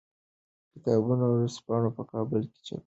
کتابونه او ورځپاڼې په کابل کې چاپېدې.